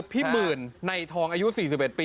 พี่หมื่นในทองอายุ๔๑ปี